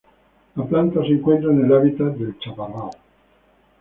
La planta se encuentra en el hábitat del chaparral.